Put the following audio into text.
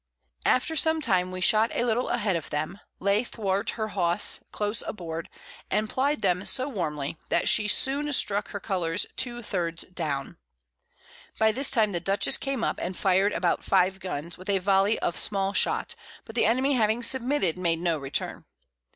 After some time we shot a little a head of them, lay thwart her Hawse close aboard, and plyed them so warmly, that she soon struck her Colours two thirds down. By this time the Dutchess came up, and fired about 5 Guns, with a Volley of Small Shot, but the Enemy having submitted, made no Return.